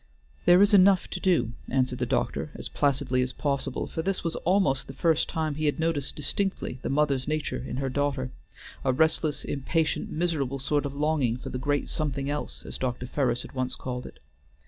"There is enough to do," answered the doctor, as placidly as possible, for this was almost the first time he had noticed distinctly the mother's nature in her daughter; a restless, impatient, miserable sort of longing for The Great Something Else, as Dr. Ferris had once called it.